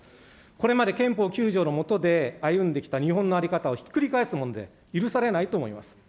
これまで憲法９条の下で、歩んできた日本の在り方をひっくり返すもので、許されないと思います。